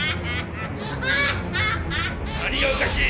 何がおかしい！